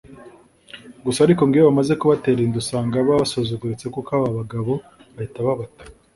Gusa ariko ngo iyo bamaze kubatera inda usanga baba basuzuguritse kuko aba bagabo bahita babata